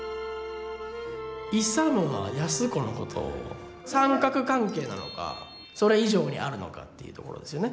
勇は安子のことを三角関係なのかそれ以上にあるのかっていうところですよね。